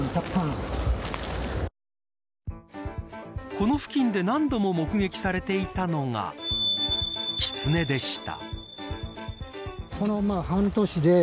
この付近で何度も目撃されていたのがキツネでした。